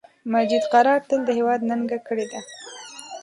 مجید قرار تل د هیواد ننګه کړی ده